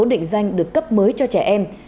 số định danh được cấp mới cho trẻ em